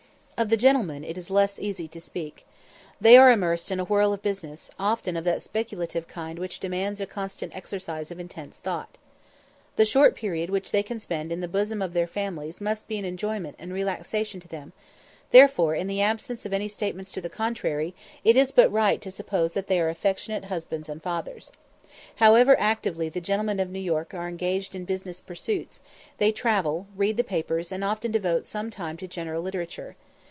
Of the gentlemen it is less easy to speak. They are immersed in a whirl of business, often of that speculative kind which demands a constant exercise of intense thought. The short period which they can spend in the bosom of their families must be an enjoyment and relaxation to them; therefore, in the absence of any statements to the contrary, it is but right to suppose that they are affectionate husbands and fathers. However actively the gentlemen of New York are engaged in business pursuits, they travel, read the papers, and often devote some time to general literature.